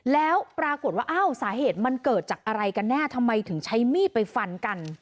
แล้วปรากฏว่าอ้าวสาเหตุมันเกิดจากอะไรกันแน่ทำไมถึงใช้มีดไปฟันกัน